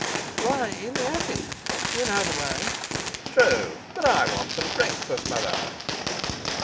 "Why, in the attic. You know the way." "True. But I want some breakfast, mother."